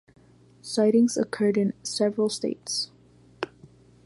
Sightings occurred in several states.